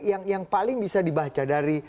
yang paling bisa dibaca dari